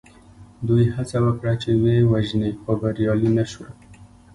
دوی هڅه وکړه چې ویې وژني خو بریالي نه شول.